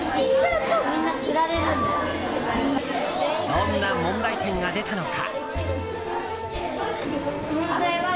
どんな問題点が出たのか？